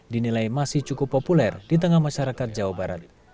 dinilai masih cukup populer di tengah masyarakat jawa barat